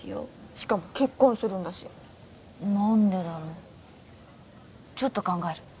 しかも結婚するんだし何でだろちょっと考える